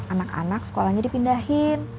anak anak sekolahnya dipindahin